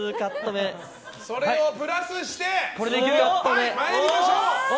それをプラスして参りましょう！